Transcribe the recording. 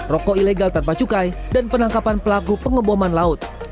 rokok ilegal tanpa cukai dan penangkapan pelaku pengeboman laut